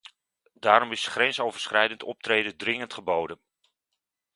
Daarom is grensoverschrijdend optreden dringend geboden.